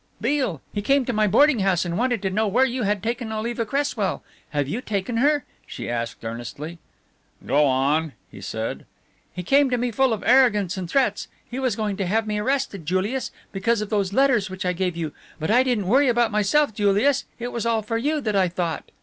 "Beale. He came to my boarding house and wanted to know where you had taken Oliva Cresswell. Have you taken her?" she asked earnestly. "Go on," he said. "He came to me full of arrogance and threats. He was going to have me arrested, Julius, because of those letters which I gave you. But I didn't worry about myself, Julius. It was all for you that I thought.